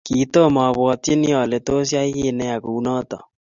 Kitomo abwotchini ale tos yai kiy neya kounoto